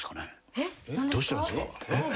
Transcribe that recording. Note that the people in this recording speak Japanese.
どうしたんですか？